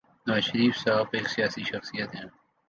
نواز شریف صاحب ایک سیاسی شخصیت ہیں۔